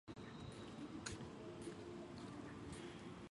缩梗乌头为毛茛科乌头属下的一个种。